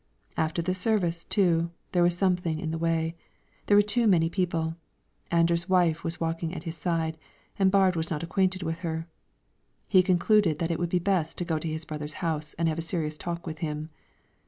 After service, too, there was something in the way; there were too many people; Anders' wife was walking at his side, and Baard was not acquainted with her; he concluded that it would be best to go to his brother's house and have a serious talk with him.